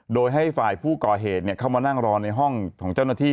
โดยให้ฝ่ายผู้ก่อเหตุเข้ามานั่งรอในห้องของเจ้าหน้าที่